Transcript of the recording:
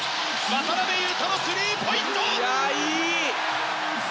渡邊雄太のスリーポイント！